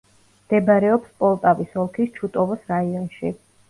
მდებარეობს პოლტავის ოლქის ჩუტოვოს რაიონში.